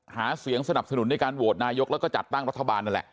หาเสียงสนับสนุนในการโหวตนายกแล้วก็จัดตั้งรัฐบาลนั่นแหละ